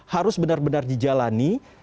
harus benar benar dijalani